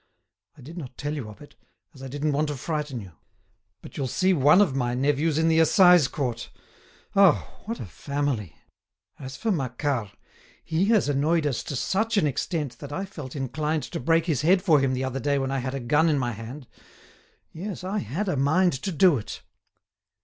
I did not tell you of it, as I didn't want to frighten you. But you'll see one of my nephews in the Assize Court. Ah! what a family! As for Macquart, he has annoyed us to such an extent that I felt inclined to break his head for him the other day when I had a gun in my hand. Yes, I had a mind to do it."